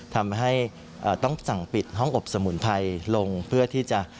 ทำให้ต้องสั่งปิดห้องอบสมุนไพรลงเพื่อที่จะ